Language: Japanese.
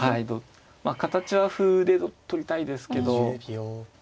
形は歩で取りたいですけど。